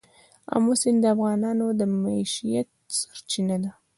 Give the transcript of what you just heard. آمو سیند د افغانانو د معیشت سرچینه ده.